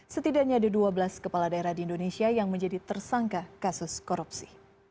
setidaknya ada dua belas kepala daerah di indonesia yang menjadi tersangka kasus korupsi